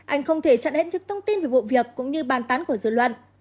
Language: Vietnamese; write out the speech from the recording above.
anh không thể chặn hết những thông tin về vụ việc cũng như bàn tán của dự luận